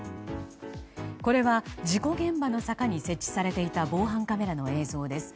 これは事故現場の坂に設置されていた防犯カメラの映像です。